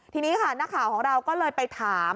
ทีนี้ค่ะนักข่าวของเราก็เลยไปถาม